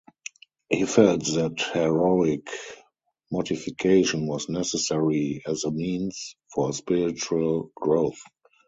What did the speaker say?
He felt that heroic mortification was necessary as a means for spiritual growth.